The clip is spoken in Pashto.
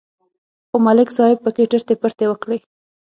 خو ملک صاحب پکې ټرتې پرتې وکړې